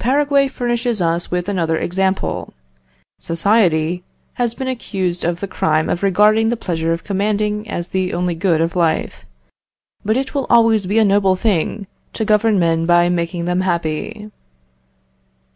"Paraguay furnishes us with another example. Society has been accused of the crime of regarding the pleasure of commanding as the only good of life; but it will always be a noble thing to govern men by making them happy.